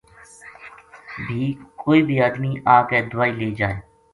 بھی کوئی بھی آدمی آ کے دوائی لے جائے